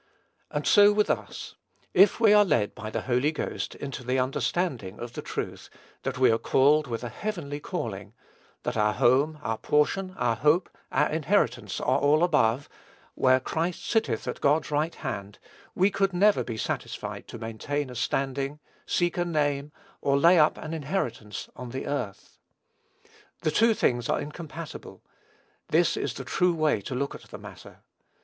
And so with us. If we are led by the Holy Ghost into the understanding of the truth, that we are called with a heavenly calling; that our home, our portion, our hope, our inheritance, are all above, "where Christ sitteth at God's right hand," we could never be satisfied to maintain a standing, seek a name, or lay up an inheritance, on the earth. The two things are incompatible: this is the true way to look at the matter.